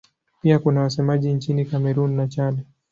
Pia kuna wasemaji nchini Kamerun na Chad.